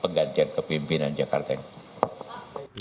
penggantian kepimpinan jakarta ini